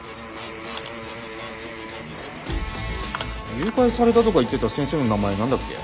誘拐されたとか言ってた先生の名前何だっけ？